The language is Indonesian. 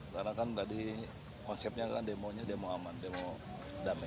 karena kan tadi konsepnya kan demonya demo aman demo damai